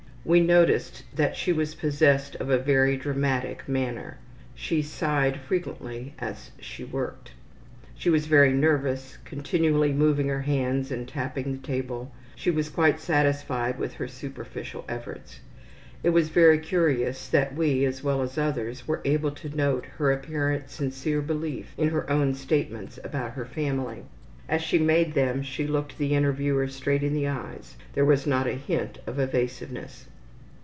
We noticed that she was possessed of a very dramatic manner. She sighed frequently as she worked. She was very nervous, continually moving her hands and tapping the table. She was quite satisfied with her superficial efforts. It was very curious that we, as well as others, were able to note her apparent sincere belief in her own statements about her family. As she made them she looked the interviewer straight in the eyes; there was not a hint of evasiveness.